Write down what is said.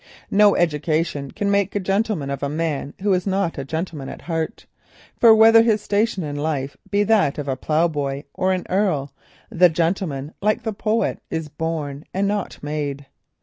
No education can make a gentleman of a man who is not a gentleman at heart, for whether his station in life be that of a ploughboy or an Earl, the gentleman, like the poet, is born and not made.